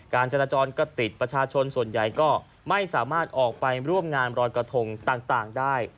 การจราจรก็ติดประชาชนส่วนใหญ่ก็ไม่สามารถออกไปร่วมงานรอยกระทงต่างได้